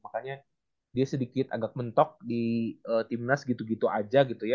makanya dia sedikit agak mentok di timnas gitu gitu aja gitu ya